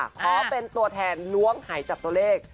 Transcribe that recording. ก็เป็นตัวแทนนวงหายจับตัวเลข